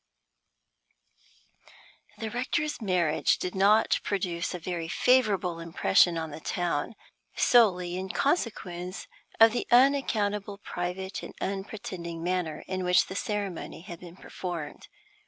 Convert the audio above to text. B. The rector's marriage did not produce a very favorable impression in the town, solely in consequence of the unaccountable private and unpretending manner in which the ceremony had been performed.